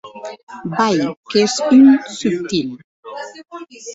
Vai!, qu'ès un subtil!